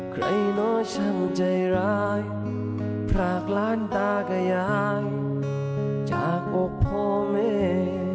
ใครน้อช่างใจร้ายพรากล้านตากระยางจากอกพ่อแม่